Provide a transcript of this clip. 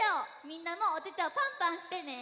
みんなもおててをパンパンしてね。